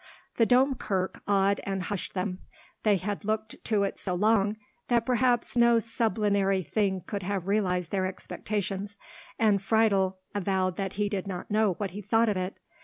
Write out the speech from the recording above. The Dome Kirk awed and hushed them. They had looked to it so long that perhaps no sublunary thing could have realized their expectations, and Friedel avowed that he did not know what he thought of it.